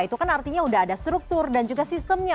itu kan artinya sudah ada struktur dan juga sistemnya